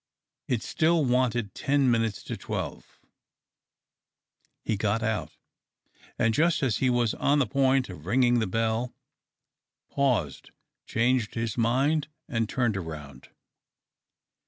It still wanted ten minutes to twelve. He got out, and just as he w\as on the point of ringing the bell, paused, changed his mind, and turned round.